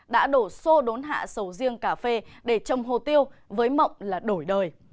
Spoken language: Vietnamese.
đã đổ xô đốn hạ sầu riêng cà phê để trồng hồ tiêu với mộng là đổi đời